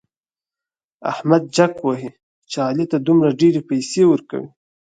احمد جک وهي چې علي ته دومره ډېرې پيسې ورکوي.